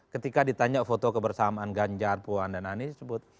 ketika ditanya foto kebersamaan ganjar puan dan anies disebut